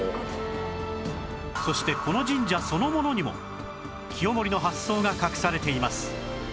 そしてこの神社そのものにも清盛の発想が隠されています